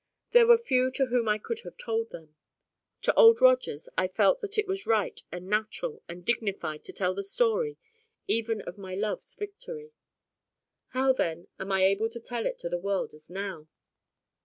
There were few to whom I could have told them: to Old Rogers I felt that it was right and natural and dignified to tell the story even of my love's victory. How then am I able to tell it to the world as now?